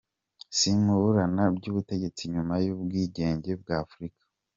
Isimburana ry’ubutegetsi nyuma y’ubwigenge bwa Afurika.